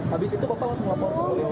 habis itu bapak langsung lapor ke polisi